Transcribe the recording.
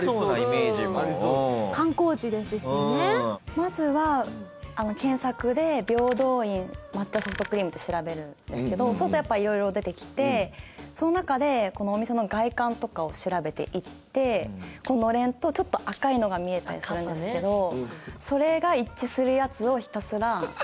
まずは検索で「平等院抹茶ソフトクリーム」って調べるんですけどそうするとやっぱ色々出てきてその中でこのお店の外観とかを調べていってのれんとちょっと赤いのが見えたりするんですけどそれが一致するやつをひたすらググっていく。